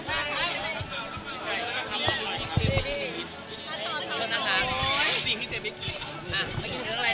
ดีที่เจ๊ไม่กิน